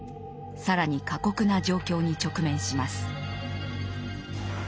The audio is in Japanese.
更に過酷な状況に直面します。